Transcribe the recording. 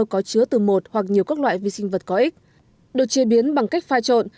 có chứa từ một hoặc nhiều các loại vi sinh vật có ích được chế biến bằng cách pha trộn